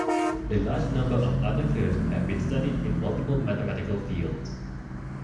A large number of other curves have been studied in multiple mathematical fields.